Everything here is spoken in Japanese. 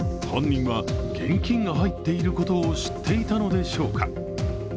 犯人は現金が入っていることを知っていたのでしょうか。